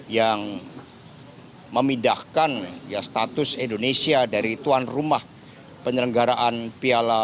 yang memindahkan status indonesia dari tuan rumah penyelenggaraan piala dunia u dua puluh